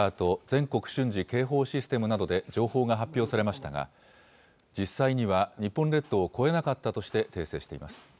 ・全国瞬時警報システムなどで情報が発表されましたが、実際には日本列島を越えなかったとして、訂正しています。